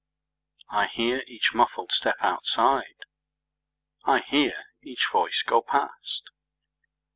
I hear each muffled step outside,I hear each voice go past.